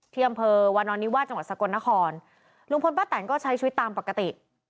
ที่อำเภอวานอนิวาสจังหวัดสกลนครลุงพลป้าแตนก็ใช้ชีวิตตามปกติ